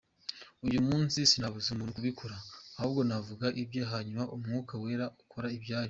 Uyu munsi sinabuza umuntu kubikora ahubwo navuge ibye hanyuma umwuka wera ukore ibyawo.